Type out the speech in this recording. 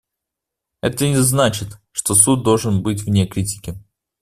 Это не значит, что Суд должен быть вне критики.